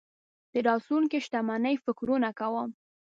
د راتلونکې شتمنۍ فکرونه کوم.